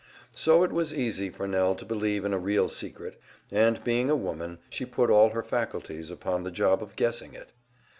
So it was easy for Nell to believe in a real secret, and being a woman, she put all her faculties upon the job of guessing it.